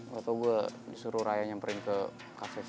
gak tau gue disuruh raya nyamperin ke cafe friendly